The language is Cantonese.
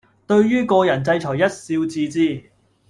對於個人制裁一笑置之